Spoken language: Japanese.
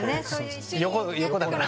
横だから。